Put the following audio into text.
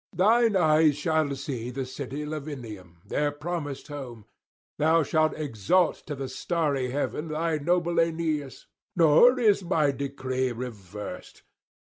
Thine eyes shall see the city Lavinium, their promised home; thou shalt exalt to the starry heaven thy noble Aeneas; nor is my decree reversed.